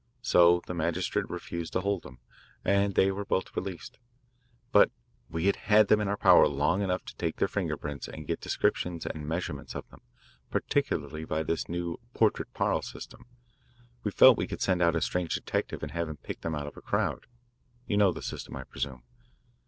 So the magistrate refused to hold them, and they were both released. But we had had them in our power long enough to take their finger prints and get descriptions and measurements of them, particularly by this new 'portrait parle ' system. We felt we could send out a strange detective and have him pick them out of a crowd you know the system, I presume?